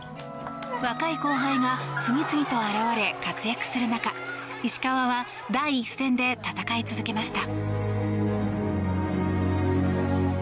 若い後輩が次々と現れ活躍する中石川は第一線で戦い続けました。